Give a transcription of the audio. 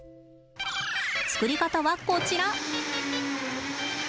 作り方はこちら！